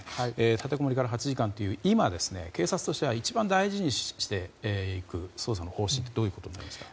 立てこもりから８時間という今警察として一番大事にしていく捜査の方針はどういうことですか。